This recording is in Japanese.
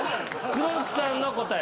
黒木さんの答え